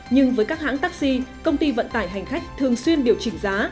nhưng với các hãng taxi công ty vận tải hành khách thường xuyên điều chỉnh giá